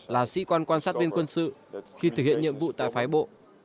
là sĩ quan quan sát viên quân sự khi thực hiện nhiệm vụ tại phái bộ